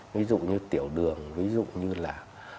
ví dụ như tiểu đường ví dụ như là